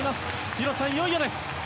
広瀬さん、いよいよです！